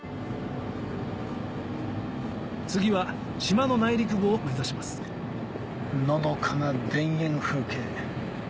次は島の内陸部を目指しますのどかな田園風景。